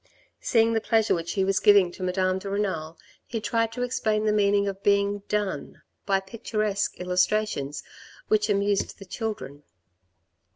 Seeing the pleasure which he was giving to Madame de Renal, he tried to explain the meaning of being " done " by picturesque illustrations which amused the children.